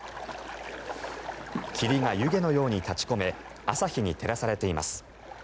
霧が湯気のように立ち込め朝日に照らされています。